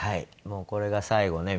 もうこれが最後ね